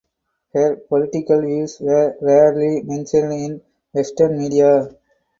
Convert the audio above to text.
Her political views were rarely mentioned in Western media.